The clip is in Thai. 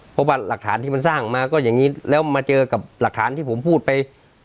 เพราะว่าหลักฐานที่มันสร้างมาก็อย่างนี้แล้วมาเจอกับหลักฐานที่ผมพูดไป